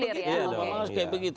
iya dong harus kayak begitu